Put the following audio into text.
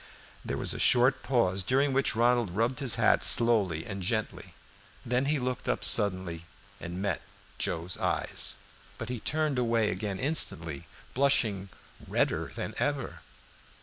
There was a short pause, during which Ronald rubbed his hat slowly and gently. Then he looked up suddenly and met Joe's eyes; but he turned away again instantly, blushing redder than ever.